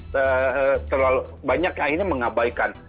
terlalu banyak yang mengabaikan